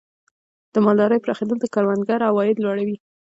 د مالدارۍ پراخېدل د کروندګر عواید لوړوي.